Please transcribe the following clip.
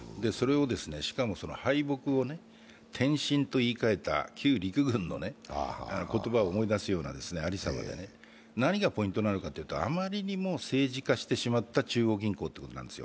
しかもその敗北と転進と言い換えた旧陸軍を思い出すありさまで何がポイントなのかというとあまりにも政治化してしまった中央銀行ということなんですよ。